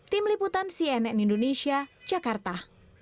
tim liputan cnn indonesia jakarta